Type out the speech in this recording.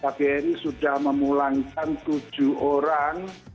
pak ferry sudah memulangkan tujuh orang